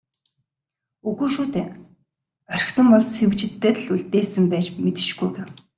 "Үгүй шүү дээ, орхисон бол Сэвжидэд л үлдээсэн байж мэдэшгүй" гэв.